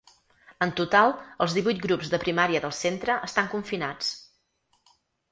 En total, els divuit grups de primària del centre estan confinats.